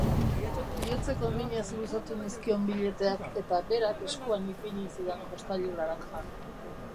Bihotzeko minez luzatu nizkion billeteak eta berak eskuan ipini zidan jostailu laranja.